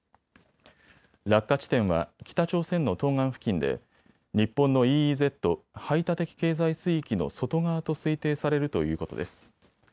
落下地点は北朝鮮の東岸付近で日本のＥＥＺ・排他的経済水域の外側と推定されるということです。